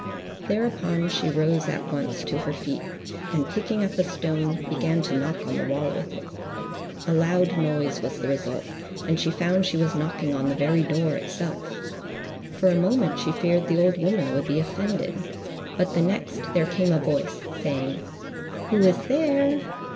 Thereupon, she rose at once to her feet, and picking up a stone, began to knock on the wall with it. A loud noise was the result, and she found she was knocking on the very door itself. For a moment she feared the old woman would be offended, but the next, there came a voice, saying, "Who is there?"